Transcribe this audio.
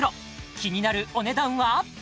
気になるお値段は？